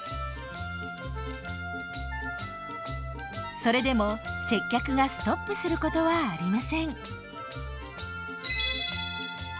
それでも接客がストップすることはありません。